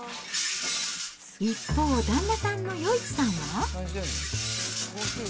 一方、旦那さんの余一さんは。